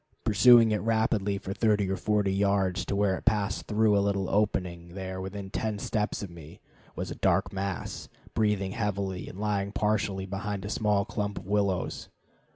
Pursuing it rapidly for thirty or forty yards to where it passed through a little opening, there, within ten steps of me, was a dark mass, breathing heavily and lying partially behind a small clump of willows.